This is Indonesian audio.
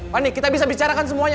fani kita bisa bicarakan semuanya